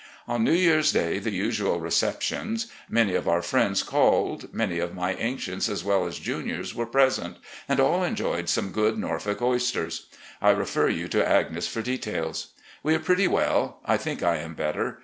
"On New Year's Day the usual receptions. Many of our friends called. Many of my ancients as well as juniors were present, and all enjoyed some good Norfolk oysters. I refer you to Agnes for details. We are pretty well. I think I am better.